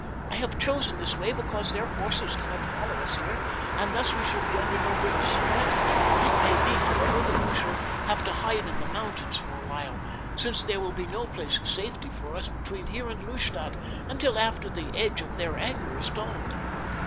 I have chosen this way because their horses cannot follow us here, and thus we shall be under no great disadvantage. It may be, however, that we shall have to hide in the mountains for a while, since there will be no place of safety for us between here and Lustadt until after the edge of their anger is dulled."